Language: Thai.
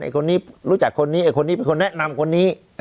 คนนี้รู้จักคนนี้ไอ้คนนี้เป็นคนแนะนำคนนี้